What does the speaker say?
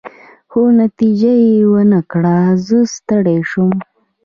خو نتیجه يې ورنه کړل، زه ستړی شوم.